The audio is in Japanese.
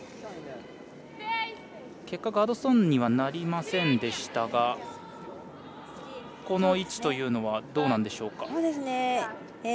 結果ガードストーンにはなりませんでしたがこの位置というのはどうなんでしょうか。